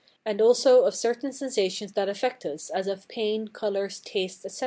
and also of certain sensations that affect us, as of pain, colours, tastes, etc.